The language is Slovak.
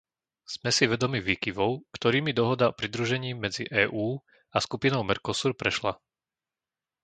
Sme si vedomí výkyvov, ktorými dohoda o pridružení medzi EÚ a skupinou Mercosur prešla.